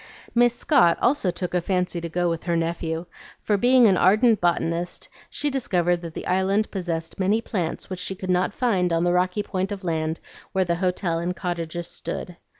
Miss Scott also took a fancy to go with her nephew; for, being an ardent botanist, she discovered that the Island possessed many plants which she could not find on the rocky point of land where the hotel and cottages stood.